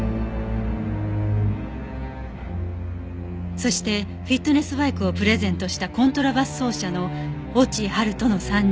そしてフィットネスバイクをプレゼントしたコントラバス奏者の越智晴人の３人。